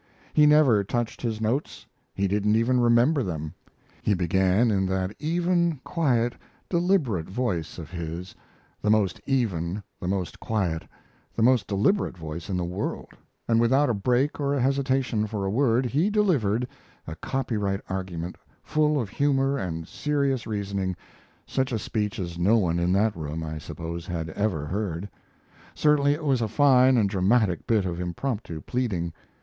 He never touched his notes; he didn't even remember them. He began in that even, quiet, deliberate voice of his the most even, the most quiet, the most deliberate voice in the world and, without a break or a hesitation for a word, he delivered a copyright argument, full of humor and serious reasoning, such a speech as no one in that room, I suppose, had ever heard. Certainly it was a fine and dramatic bit of impromptu pleading.